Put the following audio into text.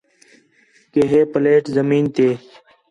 کہ ہے پلیٹ زمین تے